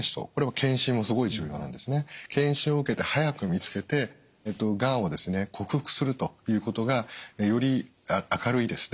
検診を受けて早く見つけてがんを克服するということがより明るいですね